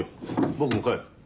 僕も帰る。